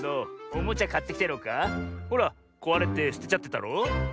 ほらこわれてすてちゃってたろ。